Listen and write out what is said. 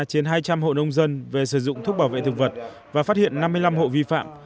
trên hai trăm linh hộ nông dân về sử dụng thuốc bảo vệ thực vật và phát hiện năm mươi năm hộ vi phạm